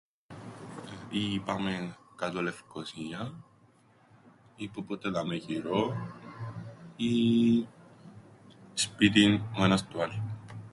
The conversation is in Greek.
Ή πάμεν κάτω Λευκωσίαν, ή πούποτε δαμαί γυρόν, ή... σπίτιν ο ένας του άλλου.